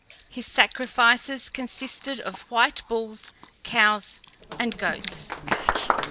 His sacrifices consisted of white bulls, cows, and goats.